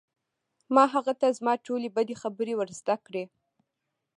ما هغه ته زما ټولې بدې خبرې ور زده کړې